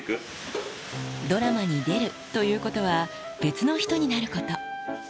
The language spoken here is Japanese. ドラマに出るということは、別の人になること。